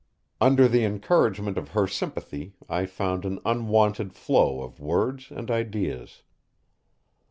Under the encouragement of her sympathy I found an unwonted flow of words and ideas.